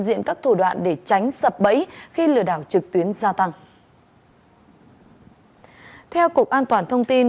diện các thủ đoạn để tránh sập bẫy khi lừa đảo trực tuyến gia tăng ừ ừ anh theo cục an toàn thông tin